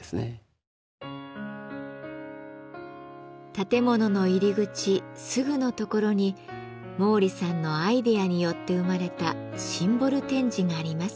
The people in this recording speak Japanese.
建物の入り口すぐのところに毛利さんのアイデアによって生まれたシンボル展示があります。